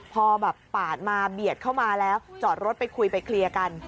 พอแบบปาดมาเบียดเข้ามาแล้วจอดรถไปคุยไปเคลียร์กัน